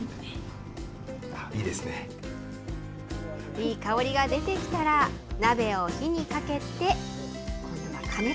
いい香りが出てきたら、鍋を火にかけて、今度は加熱。